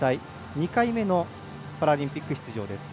２回目のパラリンピック出場。